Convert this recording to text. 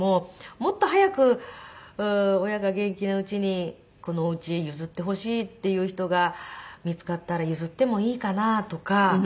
もっと早く親が元気なうちにこのお家譲ってほしいっていう人が見つかったら譲ってもいいかな？とか。